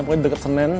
pokoknya di deket senen